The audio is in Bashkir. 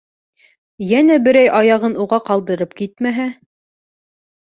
Йәнә берәй аяғын уға ҡалдырып китмәһә...